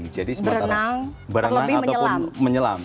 jadi berenang atau menyelam